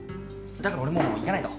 だから俺もう行かないと。